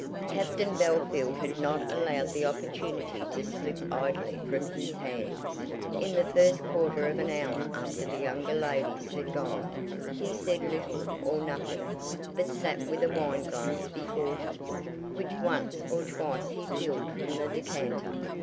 Captain Bellfield had not allowed the opportunity to slip idly from his hands. In the first quarter of an hour after the younger ladies had gone, he said little or nothing, but sat with a wine glass before him, which once or twice he filled from the decanter.